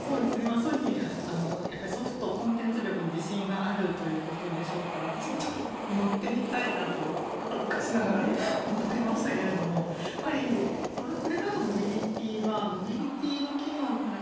ソニーソフト、コンテンツ力に自信があるということでしょうから私も乗ってみたいなと恥ずかしながら思いましたがこれからのモビリティーはモビリティーの機能プラス